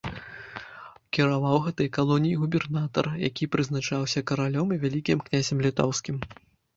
Кіраваў гэтай калоніяй губернатар, які прызначаўся каралём і вялікім князем літоўскім.